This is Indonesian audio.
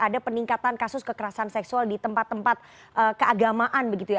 ada peningkatan kasus kekerasan seksual di tempat tempat keagamaan begitu ya